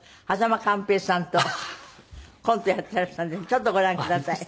間寛平さんとコントやっていらしたんでちょっとご覧ください。